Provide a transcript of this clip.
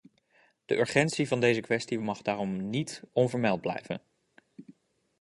De urgentie van deze kwestie mag daarom niet onvermeld blijven.